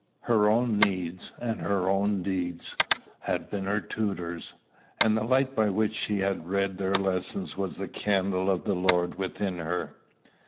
Her own needs and her own deeds had been her tutors; and the light by which she had read their lessons was the candle of the Lord within her.